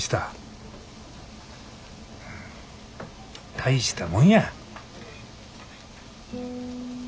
大したもんや。